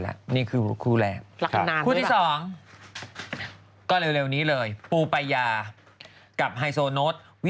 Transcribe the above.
กลัวว่าผมจะต้องไปพูดให้ปากคำกับตำรวจยังไง